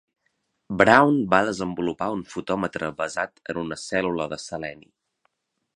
Brown va desenvolupar un fotòmetre basat en una cèl·lula de seleni.